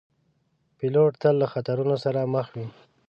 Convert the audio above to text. پیلوټ تل له خطرونو سره مخ وي.